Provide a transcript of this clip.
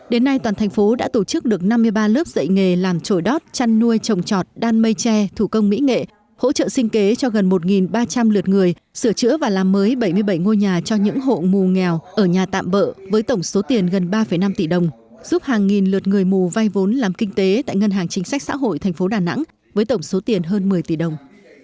đến nay toàn thành phố đã tổ chức được năm mươi ba lớp dạy nghề làm trổi đót chăn nuôi trồng trọt đan mây tre thủ công mỹ nghệ hỗ trợ sinh kế cho gần một ba trăm linh lượt người sửa chữa và làm mới bảy mươi bảy ngôi nhà cho những hộ mù nghèo ở nhà tạm bợ với tổng số tiền gần ba năm tỷ đồng giúp hàng nghìn lượt người mù vai vốn làm kinh tế tại ngân hàng chính sách xã hội thành phố đà nẵng với tổng số tiền hơn một mươi tỷ đồng